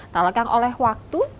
talagang oleh waktu